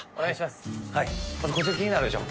まずこちら気になるでしょ